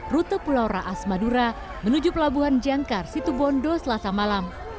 rute pulau raas madura menuju pelabuhan jangkar situbondo selasa malam